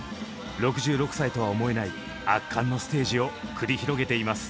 ６６歳とは思えない圧巻のステージを繰り広げています。